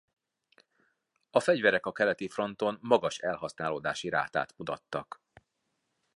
A fegyverek a keleti fronton magas elhasználódási rátát mutattak.